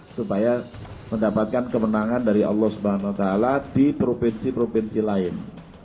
supaya mendapatkan kemenangan dari allah swt di provinsi provinsi lain